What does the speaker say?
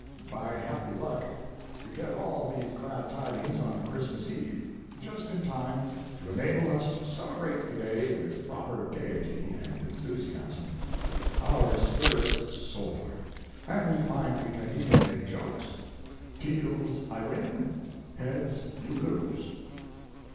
By happy luck, we get all these glad tidings on Christmas TO THE PERSON SITTING IN DARKNESS. 163 Eve — just in time to enable us to celebrate the day with proper gaiety and enthusiasm. Our spirits soar, and we find we can even make jokes: Taels I win, Heads you lose.